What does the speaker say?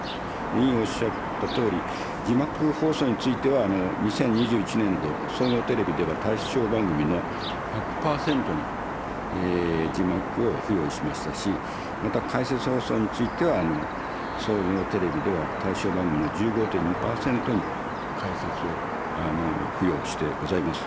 委員おっしゃったとおり、字幕放送については、２０２１年度、総合テレビでは対象番組の１００％に字幕を付与しましたし、また解説放送については、総合テレビでは、対象番組の１５．２％に解説を付与してございます。